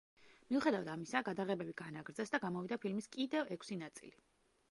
მიუხედავად ამისა, გადაღებები განაგრძეს და გამოვიდა ფილმის კიდევ ექვსი ნაწილი.